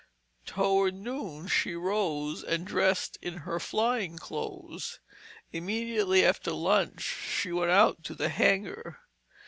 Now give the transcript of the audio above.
Toward noon she rose and dressed in her flying clothes. Immediately after lunch she went out to the hangar.